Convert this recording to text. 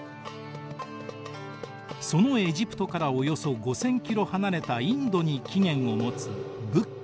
そのエジプトからおよそ５，０００ｋｍ離れたインドに起源を持つ仏教。